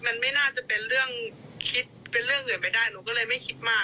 มันไม่น่าจะเป็นเรื่องเหลือไปได้หนูก็เลยไม่คิดมาก